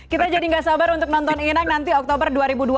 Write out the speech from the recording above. kita jadi nggak sabar untuk nonton inang nanti oktober dua ribu dua puluh